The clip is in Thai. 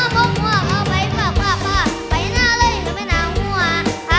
ก็ร้องได้ไอหน้า